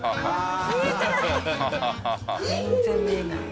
全然見えない。